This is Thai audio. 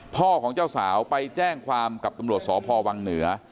พ่อของเจ้าสาวไปแจ้งความกับตำรวจสพวังเหนือ